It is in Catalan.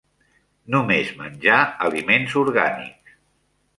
Només menjar aliments orgànics.